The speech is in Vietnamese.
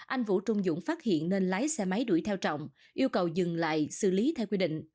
anh vũ trung dũng phát hiện nên lái xe máy đuổi theo trọng yêu cầu dừng lại xử lý theo quy định